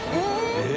えっ？